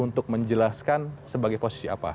untuk menjelaskan sebagai posisi apa